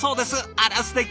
あらすてき！